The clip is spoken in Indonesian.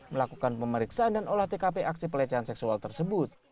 melakukan pemeriksaan dan olah tkp aksi pelecehan seksual tersebut